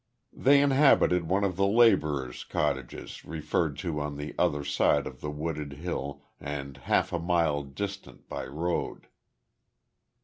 They inhabited one of the labourers' cottages referred to on the other side of the wooded hill and half a mile distant by road.